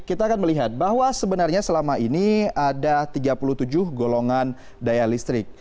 kita akan melihat bahwa sebenarnya selama ini ada tiga puluh tujuh golongan daya listrik